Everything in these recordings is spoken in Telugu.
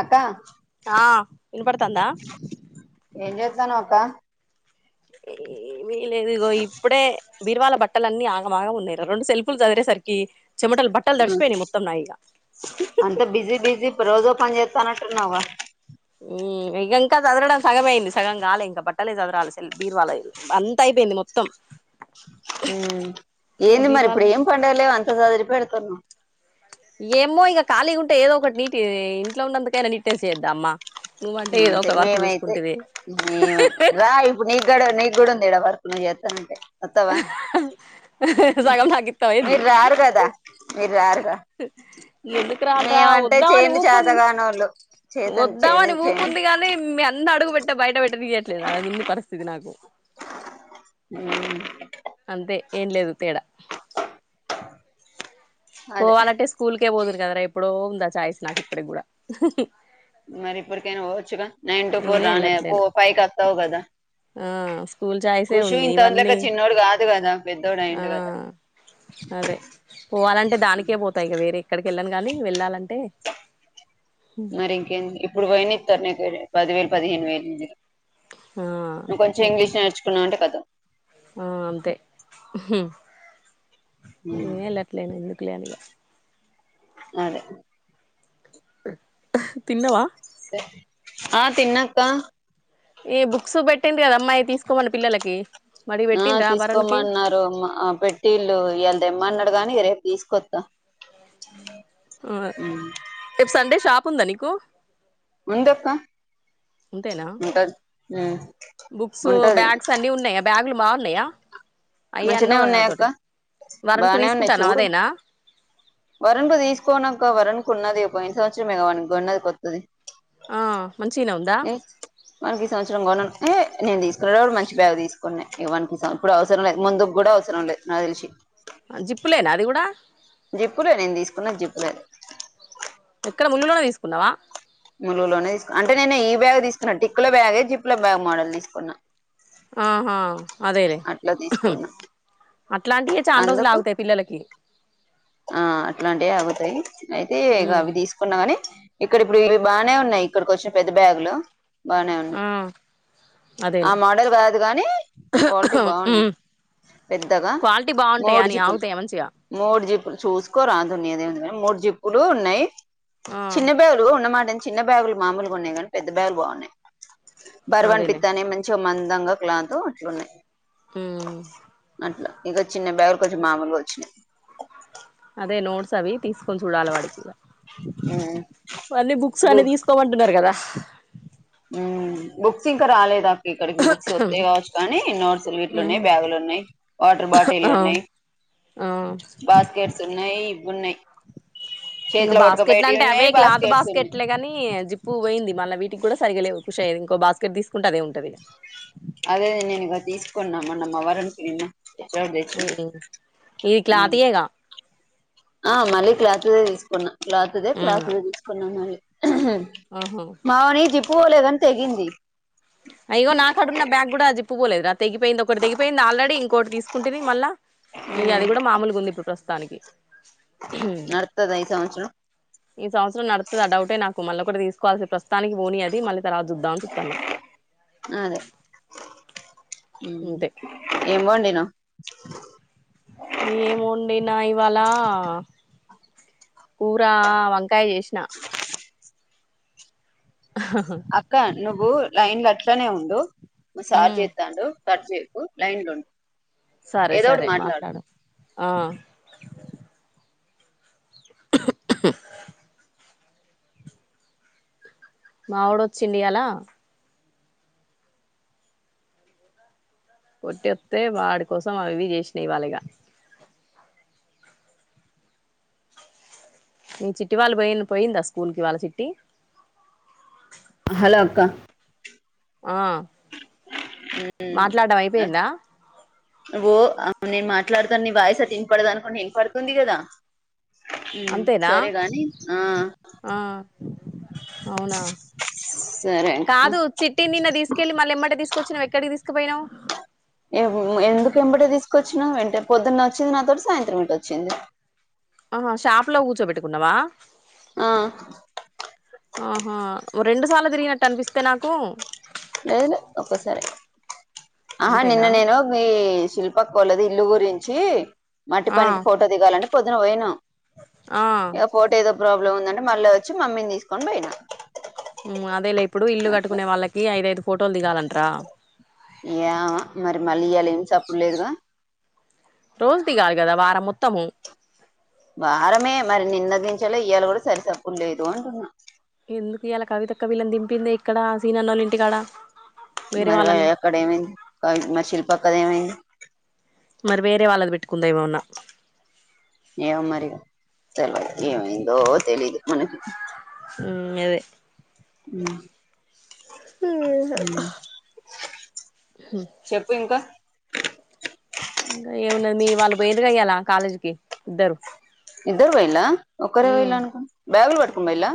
అక్క ఆ ఇన్ పడుతాందా స్తాన్నవక్కా ఏవీలే ఇగో ఇప్పుడే బీర్వాల బట్టలన్నీ ఆగమాగమున్నై రా రొండు సెల్పుల్ సదిరేసరికీ చెమటల్ బట్టల్ దడిషిపోయినయ్ మొత్తం నాయిగా అంత బిజీ బిజీ రోజో పన్ జెత్తానట్టున్నవ్ గ మ్మ్ ఇగ ఇంకా సదరడం సగమే అయింది సగం గాలే ఇంక బట్టలే సదరాలె సెల్ బీర్వాలయ్ అంతయి పొయింది మొత్తం ఊ ఇంగ యేంది బీరువాల మరిప్పుడు యేం పండగలేవ్ అంత సదరి పెడుతున్నవ్ యేమ్మో ఇగ ఖాళీగుంటే ఏదో ఒకటి నీటీ ఇంట్లో ఉన్నందుకైనా నీట్నెస్ చేయోద్దా అమ్మా ఆ అంతే మేమైతే మేమ రా ఇప్పుడు నీ గుడ నీ గుడుంది ఈడ వర్కు నువ్ యేత్తనంటె అత్తవా సగం నాకిత్తవా మీర్ రారుగద యేందుకు రాన్ రా మేమంటే ఒద్దామని చేయండి ఊపుం చేతగానోళ్ళు చేతను వొద్దామని ఊప్ చేలించేయండి ఉంది గానీ మీ అన్న అడుగు పెట్ట బయట పెట్టనియ్యట్లేదు అలాగుంది పరిస్థితి నాకు ఉమ్మ్ అంతే ఏం లేదు తేడ అదే పోవాలంటే స్కూల్కే వోదును గదరా ఎప్పుడో ఉందా ఛాయిస్ నాకిప్పటిగ్గుడా మరిప్పటికైనా వోవచ్చుగా నైన్ టు ఫోర్ నేనే రానే ఫో వెళ్ళట్లేను పైకస్తావ్ గదా ఆ స్కూల్ చాయిసే ఖుషూ ఉంది ఇవన్నీ ఇంతముందులెక్క చిన్నోడు గాదు గదా ఆ పెద్దోడయిండు గదా అదే పోవాలంటె దానికే బోత ఇగ వేరే ఎక్కడికెళ్లను గానీ వెళ్ళాలంటే మరి ఇంకేం ఇప్పుడు బోయినయిత్తర్ నీకు పదివేలు పదిహేను వేలు ఆ ఇంకొంచెం ఇంగ్లీష్ నేర్చుకున్నావంటె కతం ఆ అంతె నేనే ఎల్లట్లేదు ఎందుకులేనిగా అదే తిన్నావ ఆ తిన్నాక్క ఏ బుక్స్ పెట్టింది కదా అమ్మాయి తీసుకోమని పిల్లలకి మరి ఆ పెట్టిండ్రా వరుణ్కి తీసుకోమన్నారు పెట్టిళ్ళు ఇయ్యాల దెమ్మన్నాడు గాని రేపు తీసుకొ ద రేపు సండే షాప్ ఉందా నీకు ఉందప్ప అంతేనా బుక్స్ ఉంటది బ్యాగ్స్ అన్ని ఉన్నాయా బ్యాగులు బాగున్నాయా అయి మంచినే అన్నావు కదా ఉన్నాయక్క నాతోటి వరనుకు తీసుకుంటన్నావు అదేనా వరున్ కు తీసుకొన్నాక వరన్ కు ఉన్నది పోయిన సంవత్సరమే గా వానికి కొన్నది కొత్తది ఆ మంచిగానే ఉందా ఏ మనకి ఈ సంవత్సరం కొనను ఏ నేను తీసుకునేప్పుడు మంచి బ్యాగ్ తీసుకున్నా ఇవన్ కు ఇసాం ఇప్పుడు అవసరం లేదు ముందుకు కూడా అవసరం లేదు నాకు తెలిసి జిప్పులేనా అది కూడా జిప్పులే నేను తీసుకున్న జిప్పులే ఎక్కడ ముళ్లులోనే తీసుకున్నావా ములుగులోనే తీసుకున్నా అంటే నేను ఈ బ్యాగ్ తీసుకున్నా టిక్ల బ్యాగే జిప్ల బ్యాగ్ మోడల్ తీసుకున్నా ఆహా అదేలే అట్లా తీసుకున్నా అట్లాంటివి చాలా రోజులు అందుకు ఆగుతాయి పిల్లలకి ఆ అట్లాంటివే అగుతాయి అయితే ఇ ఉమ్ అవి తీసుకున్నా గాని ఇక్కడ ఇప్పుడు ఇవి బానే ఉన్నాయి ఇక్కడికి వచ్చె పెద్ద బ్యాగులు బానే ఉన్నాయి ఆ ఆ అదేలే మోడల్ కాదు గానీ ఉంటే బాగున్నాయి ఉమ్ పెద్దగా క్వాలిటీ బాగుంటాయా మోడు అని జిప్పులు ఆగుతాయా మంచిగా మో మూడు జిప్పులు చూసుకోరాదు దే మూడు జిప్పులు ఉన్నాయి ఆ చిన్న బ్యాగులు ఉన్నమాట చిన్న బ్యాగులు మామూలుగా ఉన్నాయి కాని పెద్ద బ్యాగులు బాగున్నాయి బర్వాన్ అదేలే పిత్తానే మంచిగా మ తంగా క్లాత్ అట్లా ఉన్నాయి ఉమ్ అట్లా ఇక చిన్న బ్యాగు కొద్ది మామూలుగా వచ్చినయి అదే నోట్స్ అవి తీస్ కొ చూడాల వాడికి ఉమ్ అన్నీ బుక్స్ అన్ని తీసుకోమంటున్నారు కదా ఉ బుక్స్ ఇంకా రాలేదా ఇక్కడికి బుక్స్ వత్తాయి కావచ్చు కానీ నోట్స్లు ఉమ్ వీట్లున్నాయి బ్యాగులు ఉన్నాయి వాటర్ బాటిల్ ఆ ఉన్నాయి ఆ బాస్కెట్స్ ఉన్నాయి ఇవున్నాయి ఇంకా చేతిలో బాస్కెట్ల పట్టుకపోయేటివి అంటే అవే ఉన్నాయి క్లాత్ బాస్కెట్స్ ఉన్నాయి బాస్కెట్లే కాని జిప్ పూ పోయింది మళ్ళ వీటికి కూడా సరిగలేవు షయది ఇంకో బాస్కెట్ తీసు అదే నేను ఇక తీసుకున్నా మన్నా మా వరుణ్ కి నిన్న ఎప్పుడో ఈ తెచ్చినా ఈ ఉమ్ క్లాతియేగా ఆ మళ్ళీ క్లాత్ దే తీసుకున్నాం క్లాత్ దే ఉమ్ క్లాత్ తీసుకున్నాం మళ్ళీ ఉహు ఆహా మా వాని జిప్పుపోలేదని తెగింది అయ్యో నాకు కాడున్న బ్యాగ్ కూడా జిప్పు పోలేదు రా తెగిపోయింది ఒకటి తెగిపోయింది ఆల్రెడీ ఇంకోటి తీసుకుంటిని మళ్ళా ఇగ అది కూడా మామూలుగా ఉంది ఇప్పుడు ప్రస్తుతానికి హు నడుతదా ఈ సంవత్సరం ఈ సంవత్సరం నడుత్తదని డౌటే నాకు మల్లొకటి తీస్ కోవాల్సి ప్రస్తుతానికి పోనీ అది మళ్ళీ తర్వాత చూద్దామని చుత్తన్న అదే ఉ అంతే ఏం వండినవు ఏం వండినా ఇవాళ కూర వంకాయ చేసిన అక్క నువ్వు లైన్ లో అట్లనే ఉండు మా సార్ ఉమ్ చేత్తండు కట్ చేయకు లైన్ లో ఉండు సరే సరే మాట్లాడు ఆ మావిడు వచ్చిండు ఇయల కొట్టిస్తే వాడి కోసం అవి ఇవి చేసినా ఇవాలిగా చిట్టి వాళ్ళు పోయిలు పోయిందా స్కూల్కి ఇ వాళ్ళ చిట్టి హలో అక్క ఆ మాట్లాడడం అయిపోయిందా వో ఆ నేను మాట్లాడతా నీ వాయిసటింపడద [unintelligible] అనుకుని ఏం పడుతుంది కదా ఉం అంతేనా సరేగాని ఆ ఆ అవునా సరే అక్క కాదు చిట్టి నిన్న తీసుకెళ్ళి మళ్ళ ఎమ్మటే తీసుకొచ్చనవ్ ఎక్కడికి తీసుకుపోయినావు ఎందుకు ఎమ్మటే తీసుకొచ్చినవ్ వెంటే పొద్దున్న వచ్చింది నాతోటి సాయంత్రం ఇటు వచ్చింది ఆహా షాప్ లో కూర్చోబెట్టుకున్నావా ఆ ఆహా రెండుసార్లు తిరిగినట్టు అనిపిస్తే నాకు లేదు లేదు ఒక్కసారి ఆహా నిన్న అంతేనా నేను మీ శిల్ప పక్క వోళ్లది ఇల్లు గురించి మట్టి ఆ పనికి ఫోటో దిగాలంటే పొద్దున పోయిను ఆ ఇగ ఫోటో ఏదో ప్రాబ్లం ఉందంటే మళ్ళా వచ్చి మమ్మీని తీసుకొని పోయినా ఉం అదే లే ఇప్పుడు ఇల్లు కట్టుకునే వాళ్ళకి ఐదఐదు ఫోటోలు దిగాలంటరా ఏమో మరి మళ్ళీ ఇయాలా ఏం సప్పుడు లేదుగా రోజుధి కాదు గదా వారం మొత్తము వారమే మరి నిన్నటి నుంచి ఇయాల కూడా సరి సప్పుడు లేదు అంటున్నా ఎందుకు ఇయాలా కవిత అక్క వీళ్ళని దింపిందే ఇక్కడ సీనన్నోళ్ళ ఇంటికాడ వేరే మరి వాళ్ళని అక్కడ ఏమైంది మరి శిల్ప అక్కది ఏమైంది మరి వేరే వాళ్ళది పెట్టుకుందా ఏమన్నా తెలవధు ఏమైందో తెలీదు మనకి ఉం అదే ఉం చెప్పు ఇంకా ఇంకా ఏమున్నది మీ వాళ్ళు పోయిరు ఇయ్యాల కాలేజ్కి ఇద్దరు పోయిళ ఒక్కరే హ్మ్. పోయళ అనుకోండి బ్యాగులు పట్కోం పోయిళ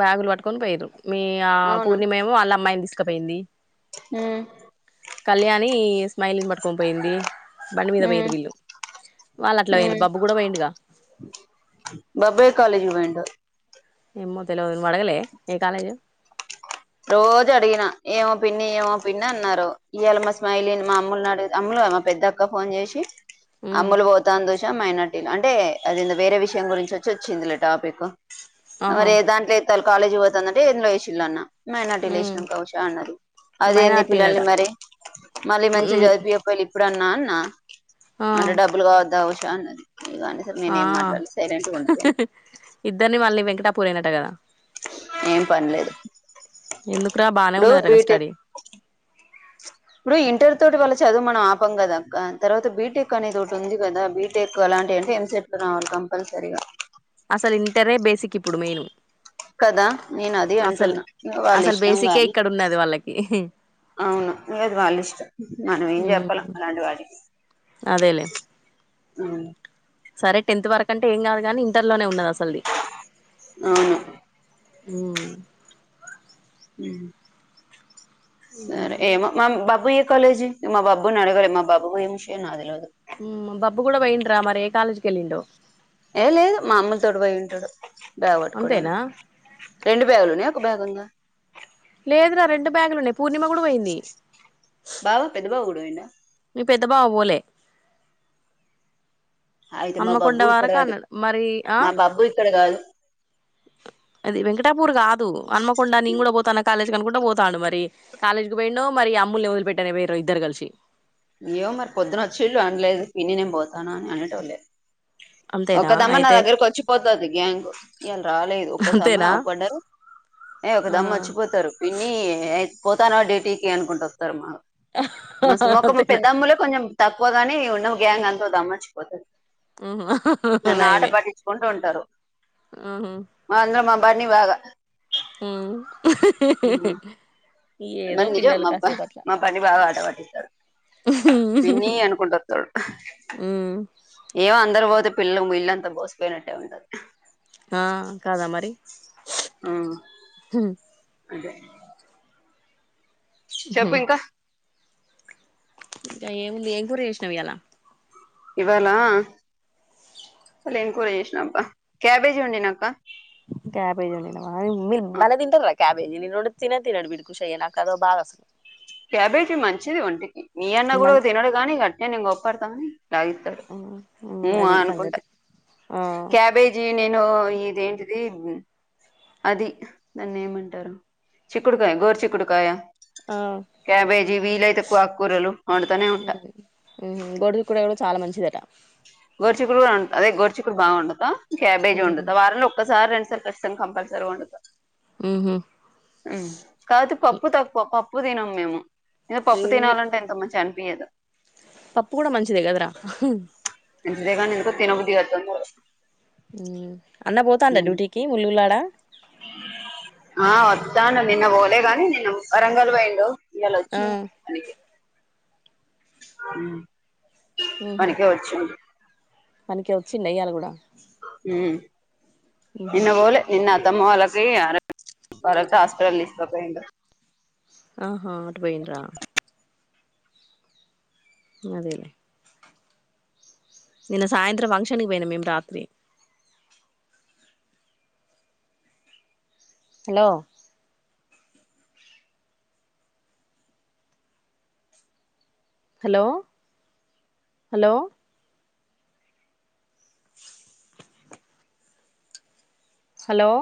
బ్యాగులు పట్కొని పోయారు మీ ఆ అవునా పూర్ణిమ ఏమో వాళ్ళ అమ్మాయిని తీసుకుపోయింది ఉమ్ కళ్యాణి స్మైలిని పట్టుకొని పోయింది బండి మీద ఉమ్ పోయిరు వీళ్ళు వాళ్ళు అట్లా పోయిరు బబ్బు కూడా పోయిండుగా బబ్బే కాలేజ్ కి పోయిండు ఏమో తెలవదు నువ్వు అడగలే ఏ కాలేజు రోజు అడిగిన ఏమో పిన్ని ఏమో పిన్ని అన్నారు ఈయాల మస్మాయిలిన్ మా అమ్మలునిడి అమ్లు మా పెద్దక్క ఫోన్ చేసి మ్మ్ అమ్ములు పోతాంది ఉష మైనార్టీలు అంటే అదెందో వేరే విషయం గురించి వచ్చి వచ్చింది లే టాపిక్ ఆహా మరి ఏ దాంట్లో అయ [unintelligible] తే కాలేజ్ పోతుందంటే ఏ వేసిల్ళ అన్న మైనారిటిలో మ్మ్ లేషినం కవిష అన్నది అదేంది పిల్లల్ని మైనార్టీనట మరి మళ్ళీ మంచిగా మ్మ్ చదిపియపోయిళి ఇప్పుడున్నా అన్నా ఆ అంటే డబ్బులు కావద్దా ఉషా అన్నది ఇగ అనేసరికి ఆ నేనేం మాట్లాడలే సైలెంట్గా ఉండిపోయిన ఇద్దరిని మళ్ళీ వెంకటాపూర్ ఏనట కదా ఏం పనిలేదు ఎందుకురా బానే ఇప్పుడు ఉన్నదటగా బీటెక్ స్టడీ ఇప్పుడు ఇంటర్ తోటి వాళ్ళ చదువు మనం ఆపం కదా అక్క తర్వాత బీటెక్ అనేది ఒకటి ఉంది కదా బీటెక్ అలాంటివి అంటే ఏం చెప్ప రావాల కంపల్సరిగా అసలు ఇంటరే బేసిక్ ఇప్పుడు మెయిను కదా నేను అది అంటున్నా ఇంకా వాళ్ళ అసలు ఇష్టం బేసికే గాని ఇక్కడ ఉన్నది వాళ్ళకి అవును ఇంగ అది వాళ్ళ ఇష్టం మనం ఏం చెప్పాలం అలాంటి వాటికి అదేలేే య్ సరే టెన్త్ వరకు అంటే ఏ కాదుగానీ ఇంటర్లోనే ఉన్నద సల్ది అవును ఉమ్ సరే ఏమో మా బాబు ఏ కాలేజీ మా బాబుని అడగలే మా బాబు ఏం విషయం నాకు తెలవదు ఉ బబ్బు కూడ పోయంట్రా మరే కాాలేజ్ కెళ్ళిండో ఏ లేదు మా అమ్మ తోడు పోయి ఉంటాడు బ్యాగ్ అంతేనా పట్టుకోవడానికి రెండు బ్యాగులున్నాయి ఒక బ్యాగ్ ఉందా లేదురా రెండు బ్యాగులు ఉన్నయి పూర్ణిమ కూడా పోయింది పోయిన మె పెద్ద బావ పోలే అయితే మా హన్మకొండ బబ్బు ఇక్కడ వరకు కాదు అన్నాడు మరి ఆ మా బబ్బు ఇక్కడ కాదు అది వెంకటాపూర్ కాదు అన్మకొండ నేను కూడా పోతాన కాలేజ కనుకుంట పోతాండు మరి కాలేజ్కి పోయినో మరి అమ్ముల్ని వొదిలి పెట్టను వేరు ఇద్దరు కలిసి యేమో మరి పొద్దున వచ్చే ఇళ్ళు అనలేదు పిని నేను పోతాను అని అనటంలే అ ఒక్కదమ్మ నా దగ్గరకి వచ్చిపోతది గ్యాంగ్ ఇయ్యాళ రాలేదు ఒసమ్మ అంతేనా ఒక్కట ఏ ఒక ఆ దమ్మ వచ్చిపోతారు పిన్ని పోతాను డేటీకి అనుకుంటూ వస్తారు మాకు అ పెద్దమ్ములే కొంచెం తక్కువగాని ఉన్నవు గ్యాంగ్ అంత దమ్మర్చిపోతుంది మ్మ్ నన్ను ఆట పాట్టించుకుంటూ ఉంటారు ఆహ బంది బాగ ఉ ఏదో మరి నిజం పిల్లలు మా బ కాసేపట్ల మా బన్నీ బాగా ఆట పట్టిస్తాడు విన్నీ అనుకుంట వస్తాడు ఉ ఏమో అందరు పోతే పిల్లలు ఇల్లుంతా బోసిపోయినట్టే ఉన్నది. ఆ కాద మరి ఉ అదె చెప్పు ఇంక ఏముంది ఏం కూర చేసినవ్ ఇయాల. ఇవాల ఏం కూర చేసిన అబ్బ క్యాబేజీ వండి నా అక్క క్యాబేజ్ వండినవా మీరు ఆ, భలే తింటారా క్యాబేజీ. నేను వండితే తినే తినడు వీడు చెయ్య నాకు అదో బాధ అసలు. క్యాబెజ్ మంచిది ఒంటికి మీ అన్న కూడ మన్ తినడు కాగాని గట్నే నేను గొప్పడతాఅని లాగిస్తడు ఉ ఆ అది అనుకుంట సంగతి ఆ క్యాబేజీ. యో ఇదేంటిది. అది దాన్ని ఏమంటారు చిక్కుడుకాయ గోరు చిక్కుడుకాయ. ఆ క్యాబేజీ వీలైతే ఆకుకూరలు వండుతూనే ఉంట. గొడుసు కూర కూడా చాలా మంచిది అట గోరుచిక్కుడు కూడా వండుతా అదే గోరుచిక్కుడు బాగ వండుతా క్యాబేజీ వండుతా వారంలో ఒక్క ఒకసార్ రెండుసార్లు కచ్చితంగా కంపల్సరి వండుతా. ఉహు కాదు పప్పు తక్కువ పప్పు తినం మేము. ఏదో పప్పు ఏంది తినాల అంటే ఎంత మంచి అనిపయదు. పప్పు కూడా మంచిద్ కదరా. మంచిదే కానీ ఎందుకో తినబుద్ధి కాదు. అన్న పోతాడా ఉమ్. డ్యూటీకి ముల్ గులాడా. ఆ వద్దాను నిన్న పోలే గాని నిన్న వరంగల్ పోయిండు. ఇయాలా ఆ వచ్చిండు పనికి పనీకే వచ్చుండు. మనకి వచ్చిండ ఇయ్యాల కూడా మ్ ఉహు నిన్న పోలే నిన్నాత్ అతమ్మ వాళ్ళకి తరువాత హాస్పిటల్ తీసుకపోయిండు. ఆహా అటు పోయిండ్రా అదేలే నేన్న సాయంత్రం ఫంక్షన్కి పోయినా మ్ మేము రాత్రి హలో హలో హలో హలో